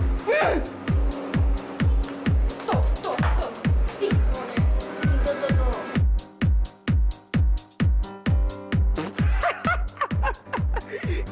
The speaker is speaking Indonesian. sisi tuh tuh tuh